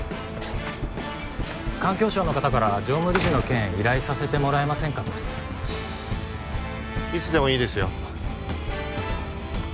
環境省の方から常務理事の件依頼させてもらえませんかといつでもいいですよ